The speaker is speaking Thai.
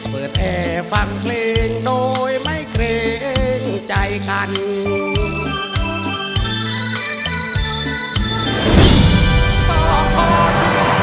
เปิดแอร์ฟังเคลงโดยไม่เคล้งใจคัน